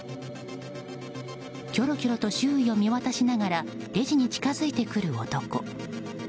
きょろきょろと周囲を見渡しながらレジに近づいてくる男。